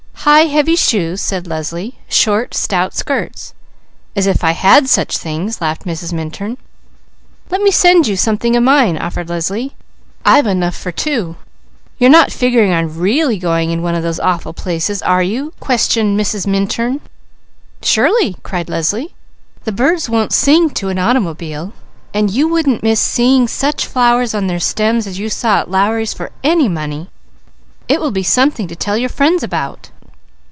"High heavy shoes," said Leslie, "short stout skirts." "As if I had such things!" laughed Mrs. Minturn. "Let me send you something of mine," offered Leslie. "I've enough for two." "You're not figuring on really going in one of those awful places, are you?" questioned Mrs. Minturn. "Surely!" cried Leslie. "The birds won't sing to an automobile. And you wouldn't miss seeing such flowers on their stems as you saw at Lowry's for any money. It will be something to tell your friends about."